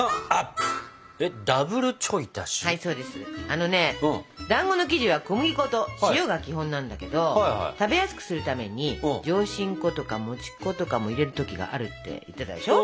あのねだんごの生地は小麦粉と塩が基本なんだけど食べやすくするために上新粉とかもち粉とかも入れる時があるって言ってたでしょ？